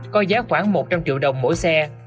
có giá khoảng một trăm linh triệu đồng mỗi xe